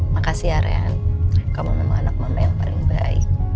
makasih ya rean kamu memang anak mama yang paling baik